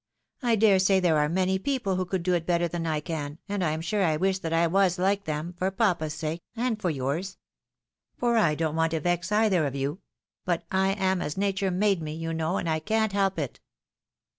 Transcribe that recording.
I dare say there are many people who could bear it better than I can, and I am sure I wish that I was hke them, for papa's sake, and for yours, for I don't want to vex either of you — but I am as nature made me, you know, and I can't help it.''